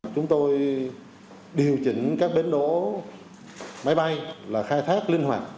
chúng tôi điều chỉnh các bến đổ máy bay là khai thác linh hoạt